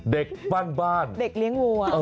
เด็กปั้นบ้าน